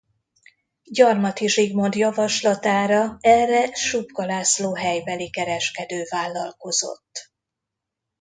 Gyarmathy Zsigmond javaslatára erre Supka László helybeli kereskedő vállalkozott.